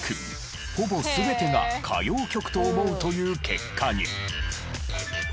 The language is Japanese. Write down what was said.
ほぼ全てが「歌謡曲と思う」という結果に。